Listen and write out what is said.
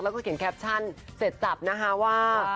แล้วก็เขียนแคปชั่นเสร็จสับนะคะว่า